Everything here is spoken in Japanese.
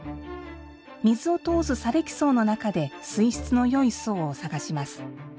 水を通す砂れき層の中で水質のよい層を探します。